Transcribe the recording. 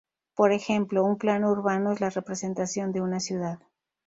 Por ejemplo, un plano urbano es la representación de una ciudad.